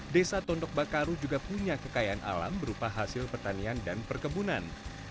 desa tondok bakaru juga punya kekayaan alam berupa hasil pertanian dan perkebunan